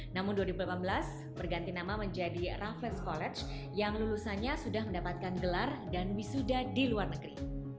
namun dua ribu delapan belas berganti nama menjadi raves college yang lulusannya sudah mendapatkan gelar dan wisuda di luar negeri